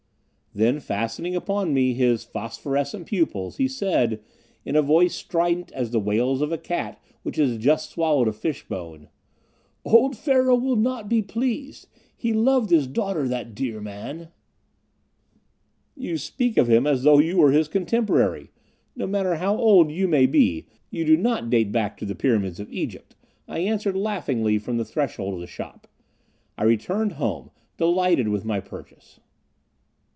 Then, fastening upon me his phosphorescent pupils he said, in a voice strident as the wails of a cat which has just swallowed a fish bone: "Old Pharaoh will not be pleased; he loved his daughter that dear man." "You speak of him as though you were his contemporary; no matter how old you may be, you do not date back to the pyramids of Egypt," I answered laughingly from the threshold of the shop. I returned home, delighted with my purchase.